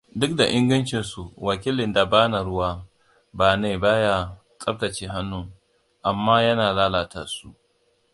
Duk da ingancinsu wakilin dabana ruwa bane baya tsabtace hannun, amma yana lalata su.